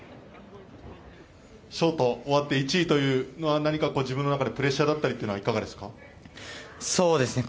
ショートを終わって１位というのは自分の中でプレッシャーだったりはいかがですか？